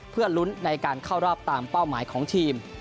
เพื่อลุ้นในการเข้ารอบตามเป้าหมายของทีม